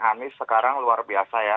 anies sekarang luar biasa ya